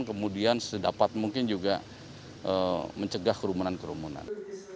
kemudian sedapat mungkin juga mencegah kerumunan kerumunan